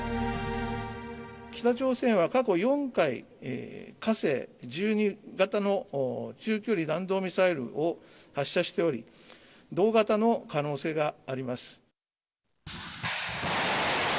北朝鮮は過去４回、火星１２型の中距離弾道ミサイルを発射しており、同型の可能性があります。